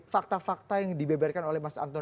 fakta fakta yang dibeberkan oleh mas anton